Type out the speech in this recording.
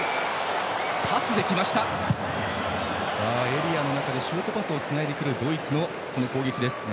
エリアの中でシュートパスをつなぐドイツの攻撃です。